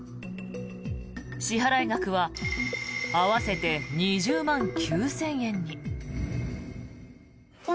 支払額は合わせて２０万９０００円に。